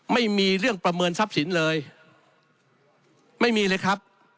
ไม่มีเรื่องประเมินทรัพย์สินเลยไม่มีเลยครับ